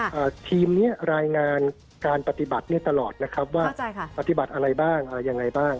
วันนี้รายงานการปฏิบัตินี่ตลอดนะครับว่าปฏิบัติอะไรบ้างอะไรยังไงบ้าง